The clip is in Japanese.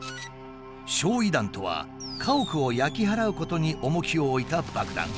焼夷弾とは家屋を焼き払うことに重きを置いた爆弾。